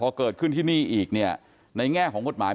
พอเกิดขึ้นที่นี่อีกเนี่ยในแง่ของกฎหมาย